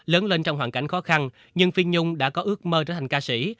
lớn lên trong hoàn cảnh khó khăn nhưng phiên nhung đã có ước mơ trở thành ca sĩ